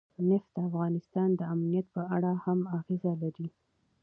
نفت د افغانستان د امنیت په اړه هم اغېز لري.